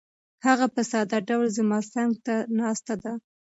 هغه په ساده ډول زما څنګ ته ناسته ده.